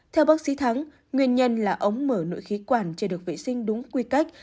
theo bác sĩ thắng nguyên nhân là ống mở nội khí quản chưa được vệ sinh đúng quy cách